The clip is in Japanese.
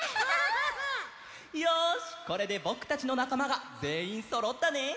よしこれでぼくたちのなかまがぜんいんそろったね！